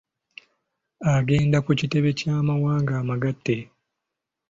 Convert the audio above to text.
Agenda ku kitebe ky’amawanga amagatte.